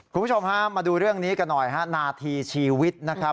คุณผู้ชมฮะมาดูเรื่องนี้กันหน่อยฮะนาทีชีวิตนะครับ